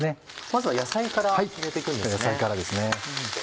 まずは野菜から入れて行くんですね。